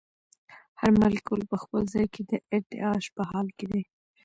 هر مالیکول په خپل ځای کې د ارتعاش په حال کې دی.